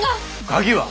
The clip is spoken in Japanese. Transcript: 鍵は？